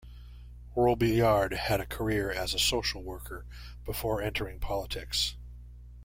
Robillard had a career as a social worker before entering politics.